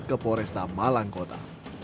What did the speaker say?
ke poresta malangkota